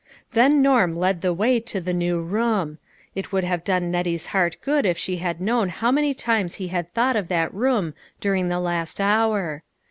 Then Norm led the way to the new room. It would have done Nettie's heart good if she had known how many times he had thought of that room during the last hour.